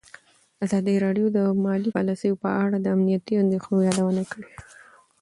ازادي راډیو د مالي پالیسي په اړه د امنیتي اندېښنو یادونه کړې.